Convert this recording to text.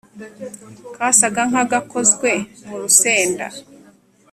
Kasaga nka gakozwe murusenda